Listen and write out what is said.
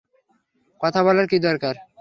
কথা বলার কী দরকার?